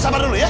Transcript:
sabar dulu ya